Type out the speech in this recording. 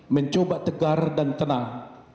mencoba tegar dan tenang